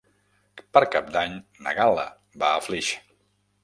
Per Cap d'Any na Gal·la va a Flix.